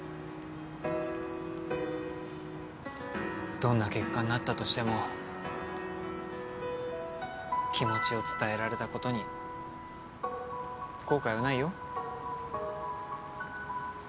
どんな結果になったとしても気持ちを伝えられたことに後悔はないよ。